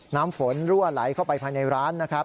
น้ำฝนรั่วไหลเข้าไปภายในร้าน